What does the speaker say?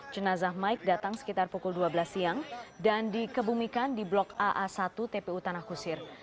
jenazah mike datang sekitar pukul dua belas siang dan dikebumikan di blok aa satu tpu tanah kusir